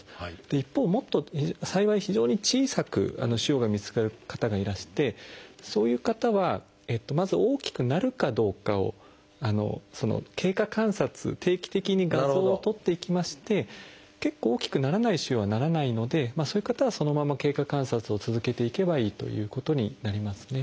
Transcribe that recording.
一方もっと幸い非常に小さく腫瘍が見つかる方がいらしてそういう方はまず大きくなるかどうかをあの経過観察定期的に画像を撮っていきまして結構大きくならない腫瘍はならないのでそういう方はそのまま経過観察を続けていけばいいということになりますね。